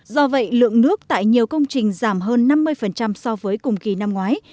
do vậy lượng nước tại nhiều công trình giảm hơn năm mươi so với cùng kỳ năm ngoái